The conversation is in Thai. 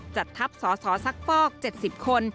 จัดทัพสสซักฟอก๗๐คน